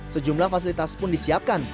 sejumlah fasilitas pun disiapkan